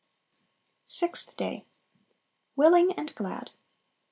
Sixth Day. Willing and Glad.